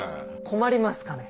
困りますかね。